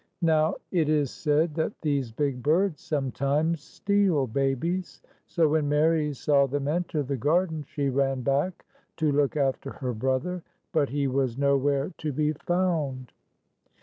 Now it is said that these big birds sometimes steal babies, so when Mary saw them enter the garden, she ran back to look after her brother. But he was nowhere to be found.